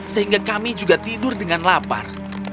sehingga kami juga tidur dengan lapar